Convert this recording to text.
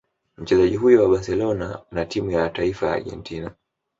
Mchezaji huyo wa Barcelona na timu ya taifa ya Argentina